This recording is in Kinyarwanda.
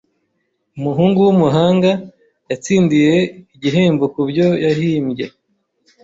Umuhungu wumuhanga yatsindiye igihembo kubyo yahimbye.